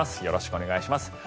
よろしくお願いします。